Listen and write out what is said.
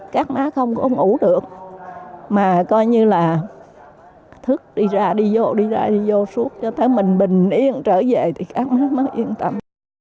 các má không có ngủ được mà coi như là thức đi ra đi vô đi ra đi vô suốt cho tới mình bình yên trở về thì các má mới yên tâm